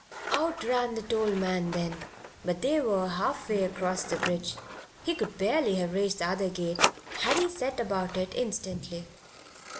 Out ran the toll man then; but they were half way across the bridge; he could barely have raised the other gate had he set about it instantly.